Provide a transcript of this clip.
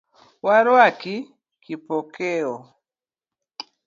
Waruaki Kipokeo.